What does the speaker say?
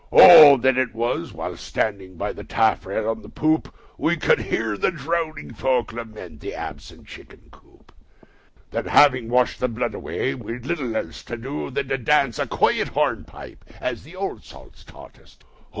O! then it was (while standing by the taffrail on the poop) We could hear the drowning folk lament the absent chicken coop; Then, having washed the blood away, we'd little else to do Than to dance a quiet hornpipe as the old salts taught us to.